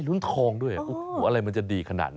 ลุ้นทองด้วยโอ้โหอะไรมันจะดีขนาดนั้น